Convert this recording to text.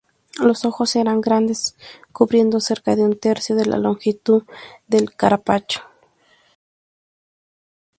Los ojos eran grandes, cubriendo cerca de un tercio de la longitud del carapacho.